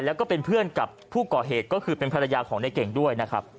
แล้วก็เป็นเพื่อนกับผู้ก่อเหตุก็คือเป็นภรรยาของในเก่งด้วยนะครับ